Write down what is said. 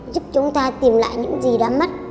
giúp chúng ta tìm lại những gì đã mất